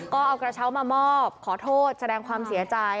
ก็เอากระเช้ามามอบขอโทษแสดงความเสียใจ